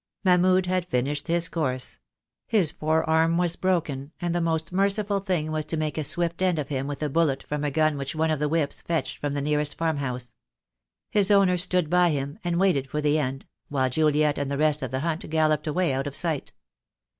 Mahmud had finished his course. His forearm was broken, and the most merciful thing was to make a swift end of him with a bullet from a gun which one of the whips fetched from the nearest farmhouse. His owner stood by him and waited for the end, while Juliet and the rest of the hunt galloped away out of sight.